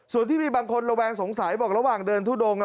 ส่วนที่มีบางคนระแวงสงสัยบอกระหว่างเดินทุดงน่ะ